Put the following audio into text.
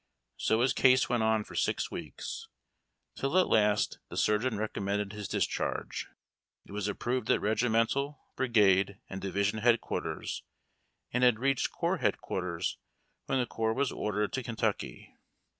So his case went on for six weeks, till at last the surgeon recommended his discharge. It was approved at regimental, brigade, and division headquarters, and had reached corps headquarters when the corps was ordered to Kentucky.